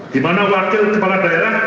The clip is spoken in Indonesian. di mana wakil kepala daerah